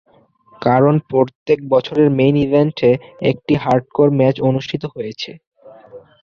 কারন প্রত্যেক বছরের মেইন ইভেন্টে একটি হার্ডকোর ম্যাচ অনুষ্ঠিত হয়েছে।